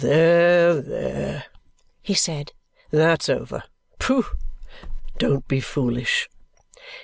"There! There!" he said. "That's over. Pooh! Don't be foolish."